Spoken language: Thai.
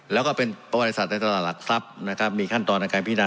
แล้วก็เป็นบริษัทในตลาดหลักทรัพย์นะครับมีขั้นตอนทางการพินาศ